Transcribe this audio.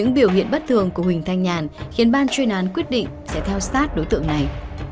rebellion bất thường của huỳnh thanh nhàn kiến ban truyền án quyết định sẽ theo sát đối tượng này